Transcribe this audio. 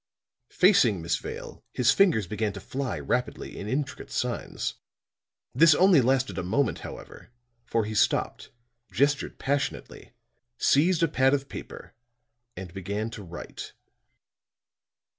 Facing Miss Vale, his fingers began to fly rapidly in intricate signs. This only lasted a moment, however; for he stopped, gestured passionately, seized a pad of paper and began to write.